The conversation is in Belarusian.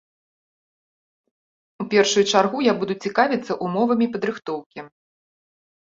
У першую чаргу я буду цікавіцца ўмовамі падрыхтоўкі.